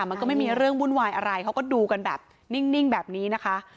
มันก็ไม่มีเรื่องวุ่นวายอะไรเขาก็ดูกันแบบนิ่งแบบนี้นะคะ